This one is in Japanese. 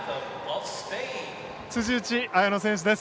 辻内彩野選手です。